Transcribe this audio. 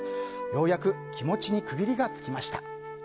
ようやく気持ちに区切りがつきました。